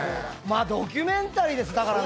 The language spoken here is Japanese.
ドキュメンタリーですだからね。